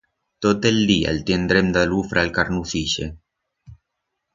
Tot el día el tendrem d'alufra a'l carnuz ixe.